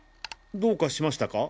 どうかしましたか？